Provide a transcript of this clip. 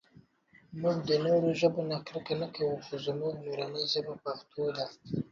مونږ د نورو ژبو نه کرکه نهٔ کوؤ خو زمونږ مورنۍ ژبه پښتو ده